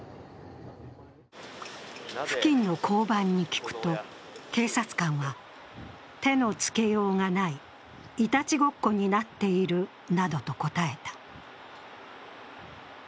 付近の交番に聞くと、警察官は手のつけようがない、いたちごっこになっているなどと答えた。